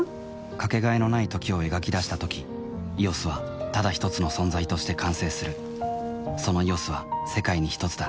かけがえのない「時」を描き出したとき「ＥＯＳ」はただひとつの存在として完成するその「ＥＯＳ」は世界にひとつだ